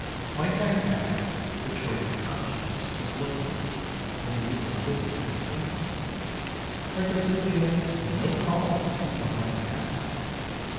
Might I ask which way your conscience was looking when you wrote this letter to me, or does it feel no call to speak on my behalf?